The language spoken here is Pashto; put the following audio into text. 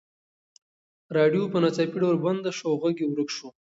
راډیو په ناڅاپي ډول بنده شوه او غږ یې ورک شو.